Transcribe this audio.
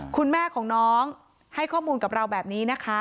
คุณแม่ของน้องให้ข้อมูลกับเราแบบนี้นะคะ